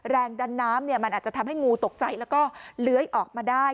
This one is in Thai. แรงดันน้ำมันอาจจะทำให้งูตกใจแล้วก็เลื้อยออกมาได้